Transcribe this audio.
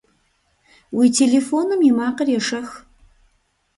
Уи телефоным и макъыр ешэх!